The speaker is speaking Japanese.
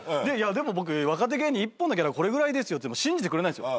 でも僕「若手芸人１本のギャラこれぐらいですよ」って言っても信じてくれないんですよ。